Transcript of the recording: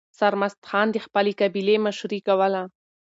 سرمست خان د خپلې قبیلې مشري کوله.